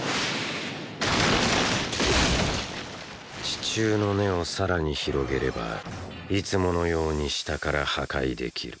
⁉地中の根を更に広げればいつものように下から破壊できる。